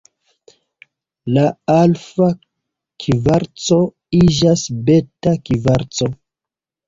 La alfa kvarco iĝas beta kvarco.